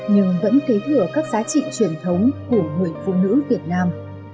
nhưng vẫn kế thừa các giá trị truyền thống của người phụ nữ việt nam